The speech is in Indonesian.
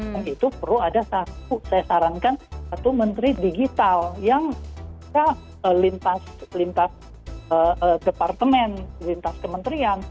dan itu perlu ada satu saya sarankan satu menteri digital yang tidak lintas departemen lintas kementerian